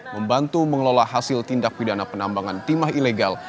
membantu mengelola hasil tindak pidana penambangan timah ilegal